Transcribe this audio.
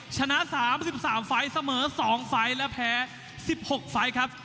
ชนะ๓๓ไฟล์เสมอ๒ไฟล์และแพ้๑๖ไฟล์ครับ